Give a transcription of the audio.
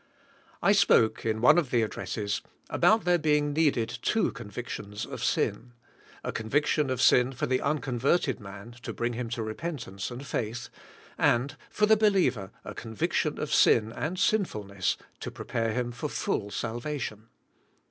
I spoke, in one of the addresses, about there being needed two convictions of sin; a conviction of sin for the unconverted man to bring him to re pentance and faith, and for the believer a convic tion of sin and sinfulness to prepare him for full salvation.